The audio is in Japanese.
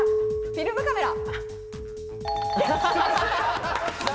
フィルムカメラ。